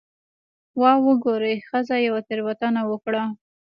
'واه وګورئ، ښځې یوه تېروتنه وکړه'.